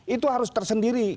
itu harus tersendiri